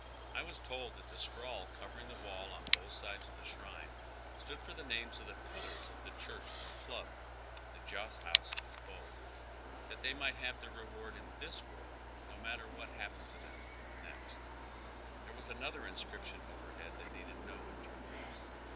I was told that the scrawl covering the wall on both sides of the shrine stood for the names of the pillars of the church or club — the Joss House is both — that they might have their re ward in this world, no matter what happened to them in the next. There was another inscription overhead that needed no interpreter.